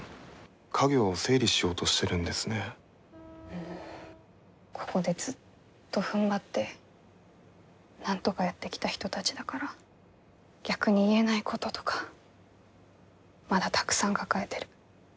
うんここでずっとふんばってなんとかやってきた人たちだから逆に言えないこととかまだたくさん抱えてる。